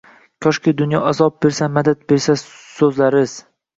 Koshki dunyo azob bersa madad bersa suzlariz